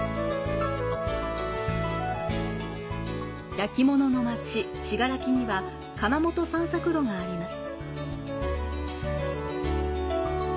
焼き物のまち、信楽には窯元散策路があります。